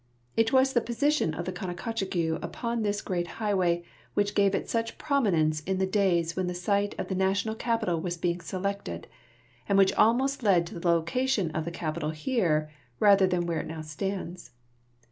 It was the position of the Couococheague upon this great highway which gave it such prominence in the days when the site of the national capital was being selected, and which almost led to the location of the capital here rather than where it now stands.